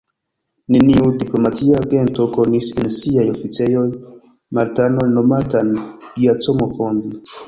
Neniu diplomatia agento konis en siaj oficejoj Maltanon nomatan Giacomo Fondi.